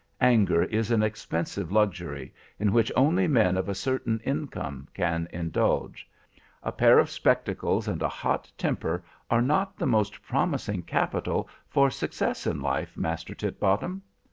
Anger is an expensive luxury, in which only men of a certain income can indulge. A pair of spectacles and a hot temper are not the most promising capital for success in life, Master Titbottom.